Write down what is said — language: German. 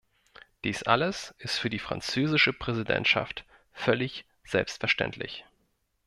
Dies alles ist für die französische Präsidentschaft völlig selbstverständlich.